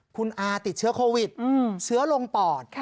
คุณอาติดเชื้อโควิดเชื้อลงปอด